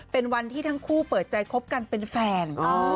เป็นวันที่ทั้งคู่เปิดใจคบกันเป็นแฟน